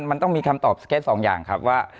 มันต้องมีคำตอบแค่๒อย่างครับว่า